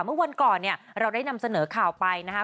เมื่อวันก่อนเนี่ยเราได้นำเสนอข่าวไปนะคะ